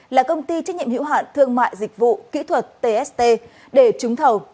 là công ty trách nhiệm hữu hạn thương mại dịch vụ kỹ thuật tst để trúng thầu